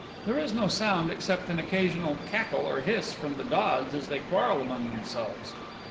There is no sound except an occasional cackle or hiss from the dods as they quarrel among themselves.